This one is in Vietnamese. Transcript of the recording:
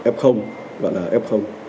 f gọi là f